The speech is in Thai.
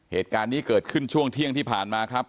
เหตุการณ์นี้เกิดขึ้นช่วงเที่ยงที่ผ่านมาครับ